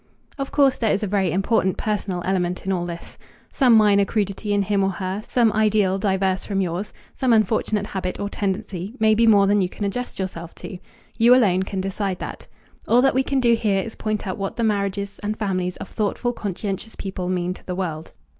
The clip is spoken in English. Of course there is a very important personal element in all this. Some minor crudity in him or her, some ideal diverse from yours, some unfortunate habit or tendency, may be more than you can adjust yourself to. You alone can decide that. All that we can do here is point out what the marriages and families of thoughtful, conscientious people mean to the world.